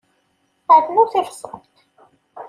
Rnu tibṣelt.